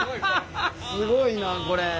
すごいなこれ。